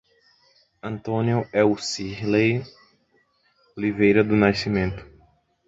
Antônio Eucirley Oliveira do Nascimento